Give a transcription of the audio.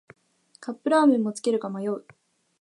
カップラーメンもつけるか迷う